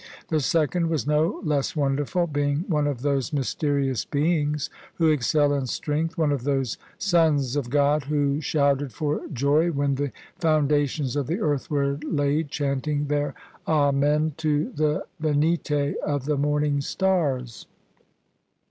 The second was no less wonderful, being one of those mysterious beings who excel in strength — one of those sons of God who shouted for joy when the foundations of the earth were laid, chanting their Amen to the Venite of the morning stars.